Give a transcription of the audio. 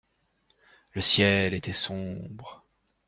Le ciel était sombre.